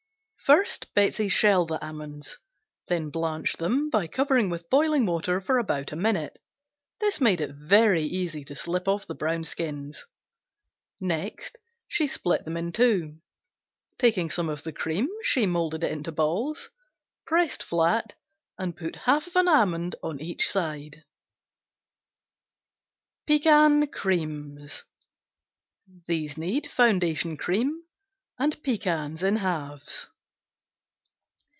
First Betsey shelled the almonds, then blanched them by covering with boiling water for about a minute (this made it very easy to slip off the brown skins), next she split them in two. Taking some of the cream, she molded it into balls, pressed flat and put half an almond on each side. Pecan Creams Foundation cream. Pecans (in halves).